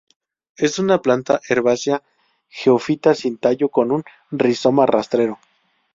Es una planta herbácea geófita sin tallo, con un rizoma rastrero.